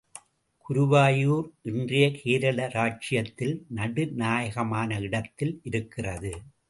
குருவாயூர் இன்றைய கேரள ராஜ்ஜியத்தில் நடுநாயகமான இடத்தில் இருக்கிறது.